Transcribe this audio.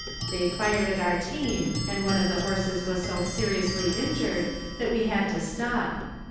They fired at our team and one of the horses was so seriously injured that we had to stop.